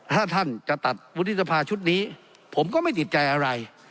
ถ้าท่านจะตัดวุฒิสภาชุดนี้ผมก็ไม่ติดใจอะไร